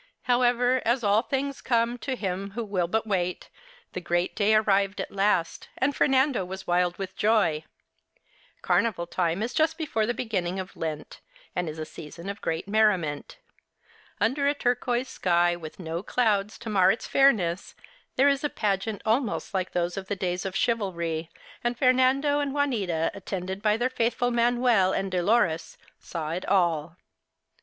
However, as " all things come to him who will but wait," the great day arrived at last, and Fernando was wild with joy. Carnival time is just before the beginning of Lent, and is a season of great merriment. Under a turquoise sky, with no clouds to mar its fairness, there is a pageant almost like those of the days of chivalry, and Fernando and Juanita, attended by their faithful Manuel and Dolores, saw it all.